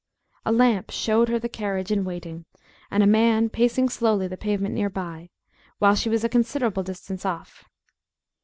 A lamp showed her the carriage in waiting, and a man pacing slowly the pavement near by, while she was a considerable distance off.